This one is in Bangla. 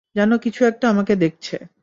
যেন কিছু একটা আমাকে দেখছে।